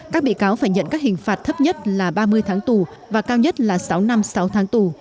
các bị cáo phải nhận các hình phạt thấp nhất là ba mươi tháng tù và cao nhất là sáu năm sáu tháng tù